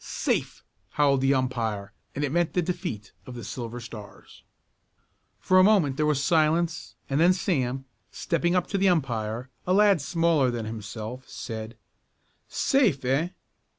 "Safe!" howled the umpire, and it meant the defeat of the Silver Stars. For a moment there was silence and then Sam, stepping up to the umpire, a lad smaller than himself, said: "Safe, eh?